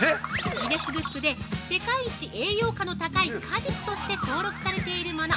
ギネスブックで世界一栄養価の高い果実として登録されているってもの